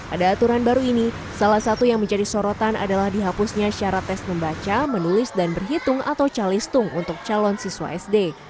ada aturan baru ini salah satu yang menjadi sorotan adalah dihapusnya syarat tes membaca menulis dan berhitung atau calistung untuk calon siswa sd